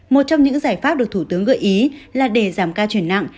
một trong những giải pháp được thủ tướng gợi ý là để giảm ca chuyển nặng